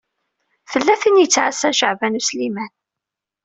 Tella tin i yettɛassa Caɛban U Sliman.